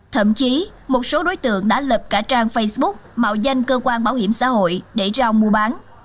thậm chí một số đối tượng đã lập cả trang facebook mạo danh cơ quan bảo hiểm xã hội để rao mua bán